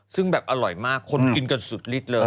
ซึ่งแบบอร่อยมากคนกินกันสุดลิดเลย